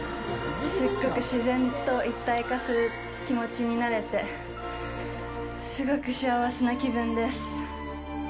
すごく自然と一体化する気持ちになれてすごく幸せな気分です。